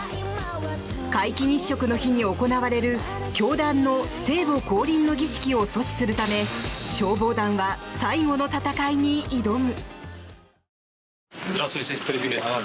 皆既日食の日に行われる教団の聖母降臨の儀式を阻止するため消防団は最後の戦いに挑む！